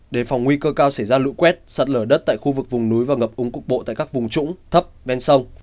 đề phòng nguy cơ cao xảy ra lũ quét sạt lở đất tại khu vực vùng núi và ngập úng cục bộ tại các vùng trũng thấp ven sông